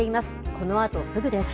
このあとすぐです。